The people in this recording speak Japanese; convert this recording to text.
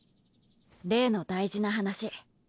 例の大事な話。